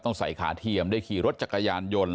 ต้องใส่ขาเทียมได้ขี่รถจากกายารยนต์